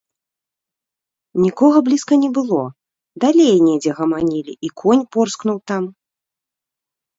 Нікога блізка не было, далей недзе гаманілі, і конь порскнуў там.